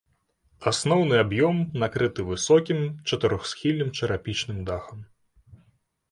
Асноўны аб'ём накрыты высокім чатырохсхільным чарапічным дахам.